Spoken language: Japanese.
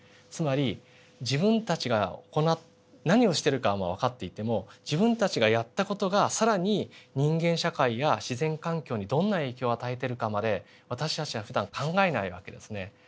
つまり自分たちが何をしてるかはわかっていても自分たちがやった事が更に人間社会や自然環境にどんな影響を与えてるかまで私たちはふだん考えない訳ですね。